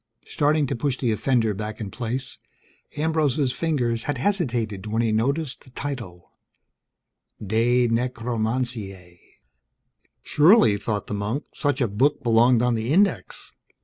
Starting to push the offender back in place, Ambrose's fingers had hesitated when he noticed the title: De Necromantiae. Surely, thought the monk, such a book belonged on the Index.